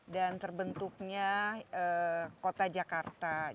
dan terbentuknya kota jakarta